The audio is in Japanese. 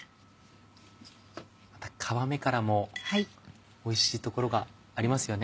また皮目からもおいしい所がありますよね。